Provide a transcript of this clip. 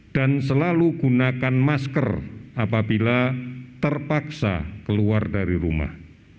dan selalu gunakan masker apabila terpaksa keluar dari rumah